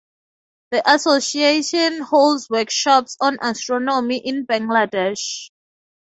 The Association holds workshops on astronomy in Bangladesh.